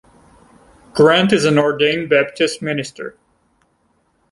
Grant is an ordained Baptist minister.